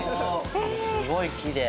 すごいきれい。